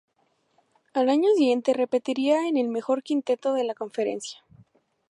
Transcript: Al año siguiente repetiría en el mejor quinteto de la conferencia.